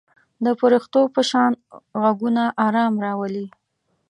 د پرښتو په شان غږونه آرام راولي.